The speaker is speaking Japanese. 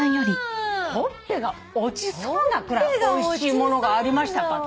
「ほっぺが落ちそうなくらいおいしいものがありましたか」